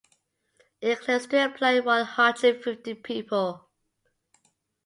It claims to employ one hundred fifty people.